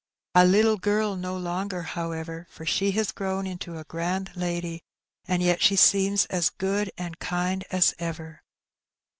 A little girl no longer, however, for she has grown into a grand lady, and yet she seems as good and kind as ever."